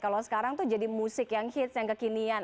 kalau sekarang tuh jadi musik yang hits yang kekinian